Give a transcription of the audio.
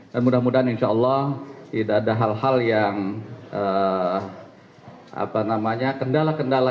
dan mudah mudahan insya allah tidak ada hal hal yang apa namanya kendala kendala